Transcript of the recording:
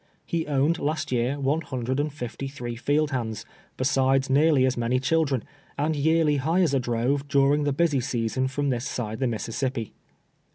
He owned last year one hundred and fifty three field hands, besides nearly as many children, and yearly hires a drove during the busy season from this side the Mississippi.